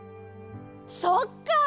そっかあ！